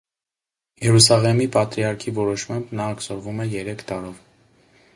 Երուսաղեմի պատրիարքի որոշմամբ նա աքսորվում է երեք տարով։